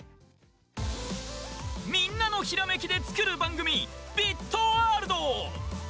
みんなのひらめきで作る番組「ビットワールド」。